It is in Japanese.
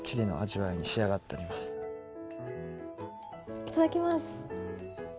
いただきます。